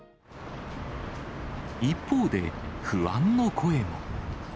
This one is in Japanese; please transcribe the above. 一方で、不安の声も。